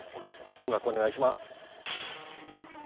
音楽、お願いします。